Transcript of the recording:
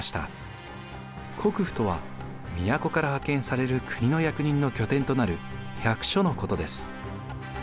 国府とは都から派遣される国の役人の拠点となる役所のことです。